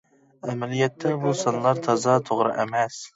ئەمەلىيەتتە بۇ سانلار تازا توغرا ئەمەس.